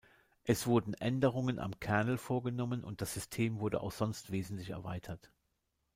Es wurden Änderungen am Kernel vorgenommen und das System wurde auch sonst wesentlich erweitert.